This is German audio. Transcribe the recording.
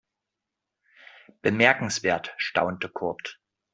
Bemerkenswert, staunte Kurt.